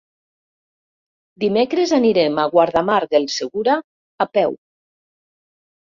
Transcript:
Dimecres anirem a Guardamar del Segura a peu.